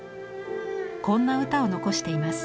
こんな歌を残しています。